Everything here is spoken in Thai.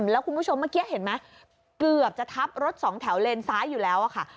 แล้วคุณผู้ชมเมื่อกี้เห็นไหมเกือบจะทับรถสองแถวเลนซ้ายอยู่แล้วค่ะ